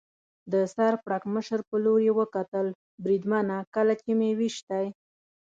د سر پړکمشر په لور یې وکتل، بریدمنه، کله چې مې وېشتی.